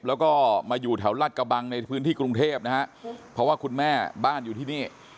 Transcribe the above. แล้วก็มาอยู่แถวรัฐกระบังในพื้นที่กรุงเทพนะฮะเพราะว่าคุณแม่บ้านอยู่ที่นี่